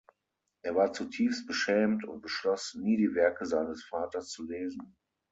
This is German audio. Er war zutiefst beschämt und beschloss, nie die Werke seines Vaters zu lesen.